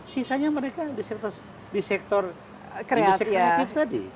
sisanya mereka di sektor kreatif tadi